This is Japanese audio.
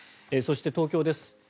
そして東京です。